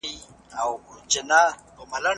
کنت ولي خپل وخت ته د بشپړتيا دوره ويله؟